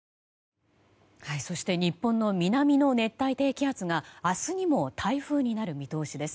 そして日本の南の熱帯低気圧が明日にも台風になる見通しです。